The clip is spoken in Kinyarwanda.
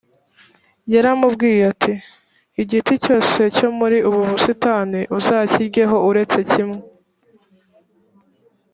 yaramubwiye ati “igiti cyose cyo muri ubu busitani uzakiryeho uretse kimwe”